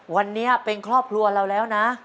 วันนี้เป็นครอบครัวเราแล้วนะ